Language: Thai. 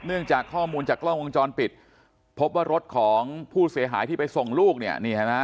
เนื่องจากข้อมูลจากกล้องวงจรปิดพบว่ารถของผู้เสียหายที่ไปส่งลูกเนี่ย